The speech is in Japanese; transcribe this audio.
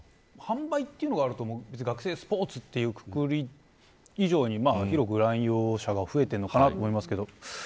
販売というのがあると学生スポーツというくくり以上に、広く乱用者が増えてると思います。